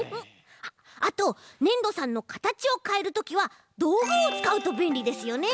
あとねんどさんのかたちをかえるときはどうぐをつかうとべんりですよね！